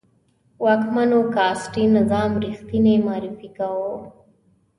واکمنو کاسټي نظام ریښتنی معرفي کاوه.